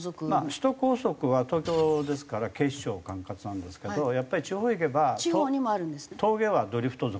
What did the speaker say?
首都高速は東京ですから警視庁が管轄なんですけどやっぱり地方行けば峠はドリフト族。